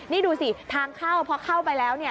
นี่ดูสิทางเข้าพอเข้าไปแล้ว